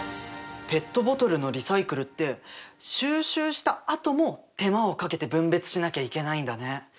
ペットボトルのリサイクルって収集したあとも手間をかけて分別しなきゃいけないんだね。